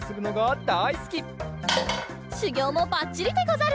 しゅぎょうもばっちりでござる。